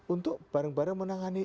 untuk bareng bareng menangani